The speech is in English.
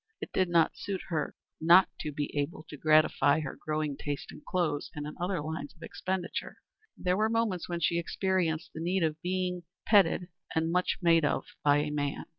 It did not suit her not to be able to gratify her growing taste in clothes and in other lines of expenditure, and there were moments when she experienced the need of being petted and made much of by a man.